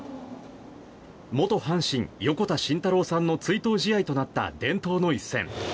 元阪神、横田慎太郎さんの追悼試合となった伝統の一戦。